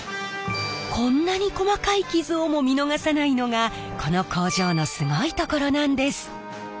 こんなに細かい傷をも見逃さないのがこの工場のすごいところなんです。